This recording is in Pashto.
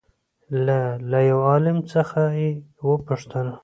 له له يوه عالم څخه يې وپوښتل